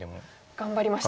頑張りました。